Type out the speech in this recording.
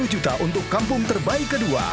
lima puluh juta untuk kampung terbaik kedua